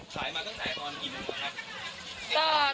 ขายมาตั้งแต่ตอนกี่โมงกว่าครับ